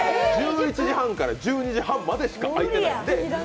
１１時半から１２時半までしか開いてない。